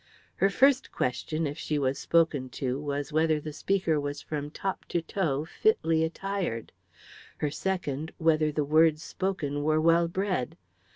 Her first question if she was spoken to was whether the speaker was from top to toe fitly attired; her second, whether the words spoken were well bred.